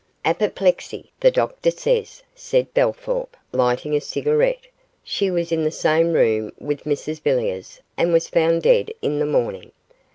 'Apoplexy, the doctor says,' said Bellthorp, lighting a cigarette; 'she was in the same room with Mrs Villiers and was found dead in the morning.